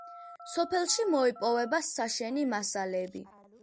სოფელში მოიპოვება საშენი მასალები.